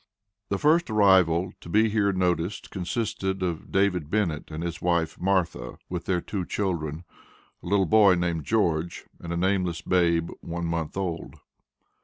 The first arrival to be here noticed consisted of David Bennett, and his wife Martha, with their two children, a little boy named George, and a nameless babe one month old.